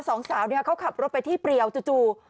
สองสาวเนี่ยเขาขับรถไปที่เปรียวจู่